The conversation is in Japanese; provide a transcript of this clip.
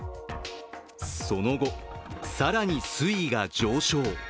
その後、更に水位が上昇。